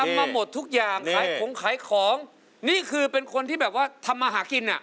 มาหมดทุกอย่างขายของขายของนี่คือเป็นคนที่แบบว่าทำมาหากินอ่ะ